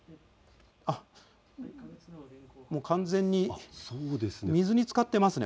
もう完全に水につかっていますね。